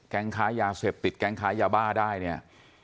ค้ายาเสพติดแก๊งค้ายาบ้าได้เนี่ย